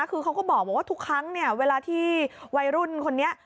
คือเขาก็บอกว่าทุกครั้งเนี่ยเวลาที่วัยรุ่นคนนี้